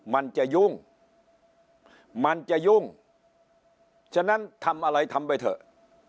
มันจะยุ่งมันจะยุ่งฉะนั้นทำอะไรทำไปเถอะ